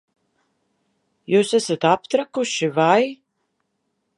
Jūs esat aptrakuši, vai?